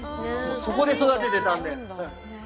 そこで育ててたんで。